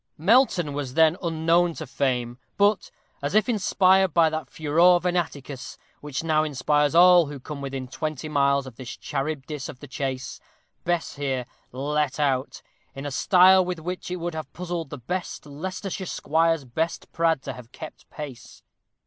Melton was then unknown to fame, but, as if inspired by that furor venaticus which now inspires all who come within twenty miles of this Charybdis of the chase, Bess here let out in a style with which it would have puzzled the best Leicestershire squire's best prad to have kept pace.